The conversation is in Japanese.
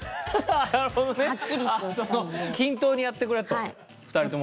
均等にやってくれと。